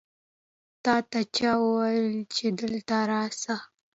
تا ته چا وویل چې دلته راسه؟